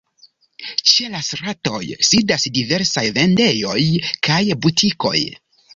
Ĉe la stratoj sidas diversaj vendejoj kaj butikoj.